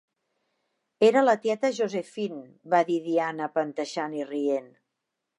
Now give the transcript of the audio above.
"Era la tieta Josephine", va dir Diana panteixant i rient.